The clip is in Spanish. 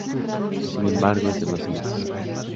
Sin embargo, es demasiado tarde.